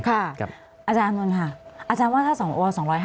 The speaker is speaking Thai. อาจารย์อานนท์ค่ะอาจารย์ว่าถ้าสว๒๕๕